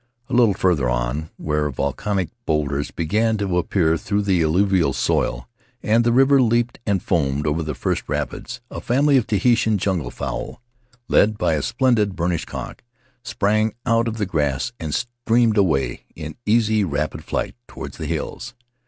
A little farther on, where volcanic bowlders began to appear through the alluvial soil and the river leaped and foamed over the first rapids, a family of Tahitian jungle fowl, led by a splendid burnished cock, sprang out of the grass and streamed away, in easy, rapid flight, toward the hills.